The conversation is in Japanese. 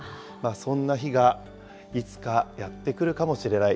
そんな日がいつかやって来るかもしれない。